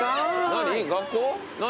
何？